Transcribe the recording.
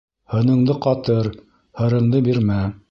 Һыныңды ҡатыр, һырыңды бирмә.